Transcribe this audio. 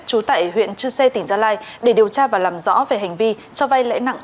trú tại huyện chư sê tỉnh gia lai để điều tra và làm rõ về hành vi cho vay lãi nặng